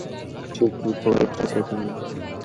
ঠিকই পরে যেতে তুমি!